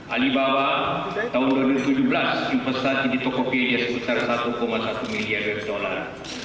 alibawa tahun dua ribu tujuh belas investasi di tokopedia sebesar satu satu miliar usd